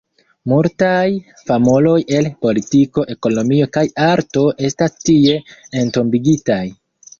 Multaj famuloj el politiko, ekonomio kaj arto estas tie entombigitaj.